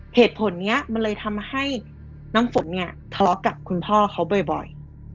เหตุผลนี้มันเลยทำให้น้ำฝนเนี่ยทะเลาะกับคุณพ่อเขาบ่อย